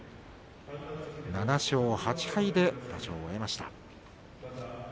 ７勝８敗で場所を終えました。